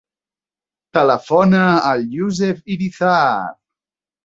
Telefona al Youssef Irizar.